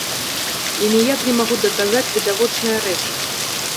І ніяк не магу даказаць відавочныя рэчы.